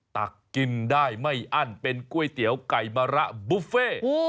ตักกินได้ไม่อั้นเป็นก๋วยเตี๋ยวไก่มะระบุฟเฟ่